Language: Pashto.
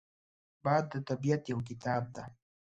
باد د طبیعت یو کتاب دی